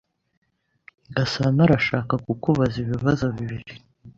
Gasanaarashaka kukubaza ibibazo bibiri.